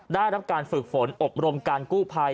ได้รับการฝึกฝนอบรมการกู้ภัย